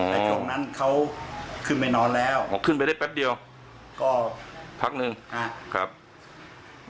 แต่ช่วงนั้นเขาขึ้นไปนอนแล้วขึ้นไปได้แป๊บเดียวก็พักหนึ่งอ่าครับ